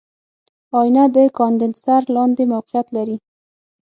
آئینه د کاندنسر لاندې موقعیت لري.